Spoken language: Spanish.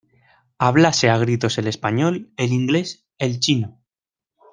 hablase a gritos el español, el inglés, el chino.